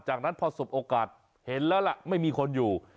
จากนั้นพอสบโอกาสเห็นแล้วล่ะไม่มีคนอยู่